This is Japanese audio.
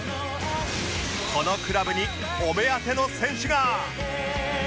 このクラブにお目当ての選手が